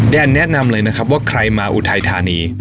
แนะนำเลยนะครับว่าใครมาอุทัยธานี